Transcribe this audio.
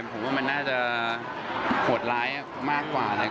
ผมว่ามันน่าจะโหดร้ายมากกว่า